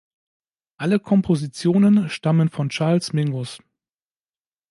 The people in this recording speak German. Alle Kompositionen stammen von Charles Mingus.